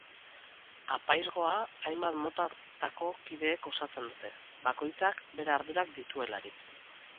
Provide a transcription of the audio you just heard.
Apaizgoa hainbat motatako kideek osatzen dute, bakoitzak bere ardurak dituelarik.